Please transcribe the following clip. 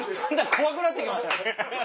怖くなって来ました。